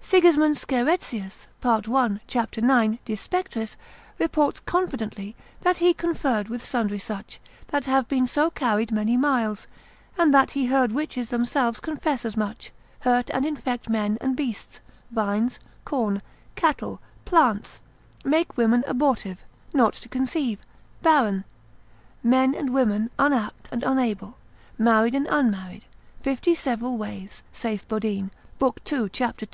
Sigismund Scheretzius, part. 1. cap. 9. de spect. reports confidently, that he conferred with sundry such, that had been so carried many miles, and that he heard witches themselves confess as much; hurt and infect men and beasts, vines, corn, cattle, plants, make women abortive, not to conceive, barren, men and women unapt and unable, married and unmarried, fifty several ways, saith Bodine, lib. 2. c. 2.